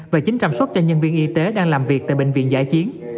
và chín trăm linh xuất cho nhân viên y tế đang làm việc tại bệnh viện giã chiến